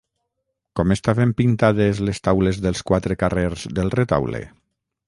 Com estaven pintades les taules dels quatre carrers del retaule?